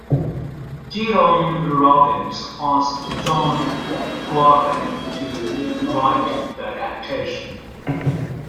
Jerome Robbins asked John Guare to write the adaptation.